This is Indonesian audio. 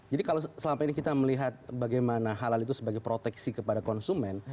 jadi kalau selama ini kita melihat bagaimana halal itu sebagai proteksi kepada konsumen